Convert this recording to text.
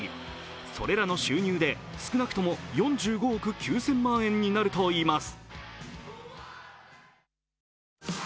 それらの収入で少なくとも４５億９０００万円になるといいます。